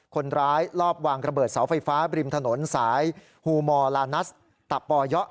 คนร้ายลอบวางระเบิดเสาไฟฟ้าบริมถนนสายฮูมอร์ลานัสตับปอยะ